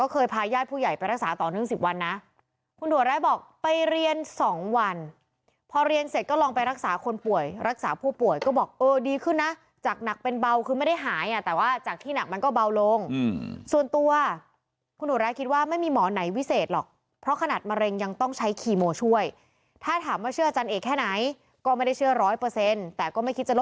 คุณถั่วแระบอกไปเรียนสองวันพอเรียนเสร็จก็ลองไปรักษาคนป่วยรักษาผู้ป่วยก็บอกเออดีขึ้นนะจากหนักเป็นเบาคือไม่ได้หายแต่ว่าจากที่หนักมันก็เบาลงส่วนตัวคุณถั่วแระคิดว่าไม่มีหมอไหนวิเศษหรอกเพราะขนาดมะเร็งยังต้องใช้คีโมช่วยถ้าถามว่าเชื่ออาจารย์เอกแค่ไหนก็ไม่ได้เชื่อร้อยเปอร์